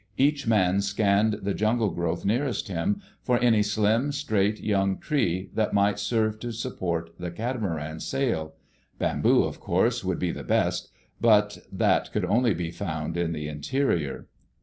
Each man scanned the jungle growth nearest him for any slim, straight young tree that might serve to support the catamaran's sail. Bamboo, of course, would be the best, but that could only be found in the interior.